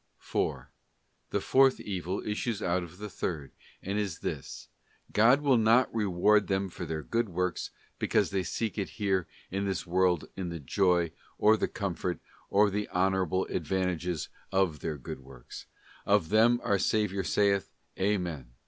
4. The fourth evil issues out of the third, and is this: God will not reward them for their good works, because they seek it here in this world in the joy, or the comfort, or the honour able advantages of their good works; of them our Saviour saith, 'Amen.